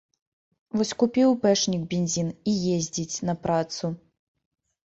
Вось купіў іпэшнік бензін і ездзіць на працу.